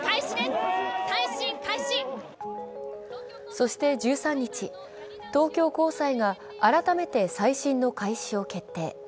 そして１３日、東京高裁が改めて再審の開始を決定。